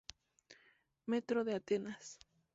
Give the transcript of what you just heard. Metro de Atenas